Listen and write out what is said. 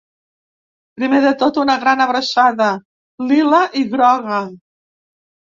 Primer de tot, una gran abraçada lila i groga!